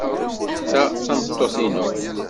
Ta d tameṭṭut-inu.